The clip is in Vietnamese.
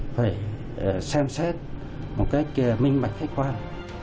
phải xem xét một cách minh mạch khách quan